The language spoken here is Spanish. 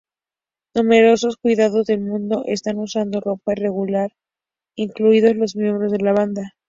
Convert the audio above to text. Numerosos ciudadanos del mundo están usando ropa irregular, incluidos los miembros de la banda.